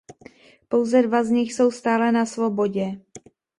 Pouze dva z nich jsou stále na svobodě.